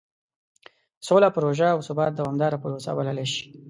سوله پروژه او ثبات دومداره پروسه بللی شي.